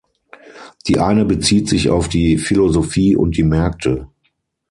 Die eine bezieht sich auf die Philosophie und die Märkte.